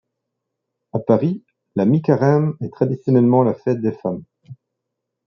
À Paris, la Mi-Carême est traditionnellement la fête des femmes.